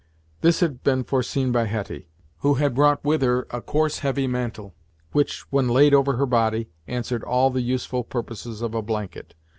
This had been foreseen by Hetty, who had brought with her a coarse heavy mantle, which, when laid over her body, answered all the useful purposes of a blanket.